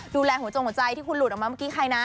ดูแลหัวจงหัวใจที่คุณหลุดออกมาเมื่อกี้ใครนะ